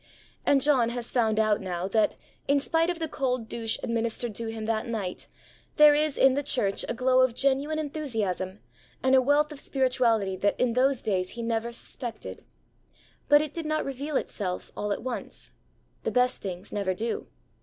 And John has found out now that, in spite of the cold douche administered to him that night, there is in the church a glow of genuine enthusiasm and a wealth of spirituality that in those days he never suspected. But it did not reveal itself all at once. The best things never do.